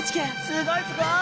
すごいすごい！